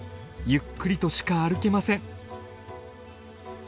ゆっくりとしか歩けません。